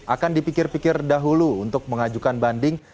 akan dipikir pikir dahulu untuk mengajukan banding